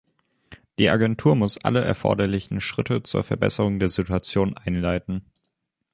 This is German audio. Die Agentur muss alle erforderlichen Schritte zur Verbesserung der Situation einleiten.